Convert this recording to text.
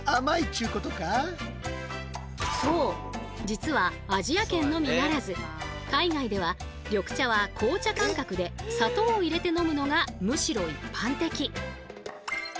実はアジア圏のみならず海外では緑茶は「紅茶」感覚で砂糖を入れて飲むのがむしろ一般的。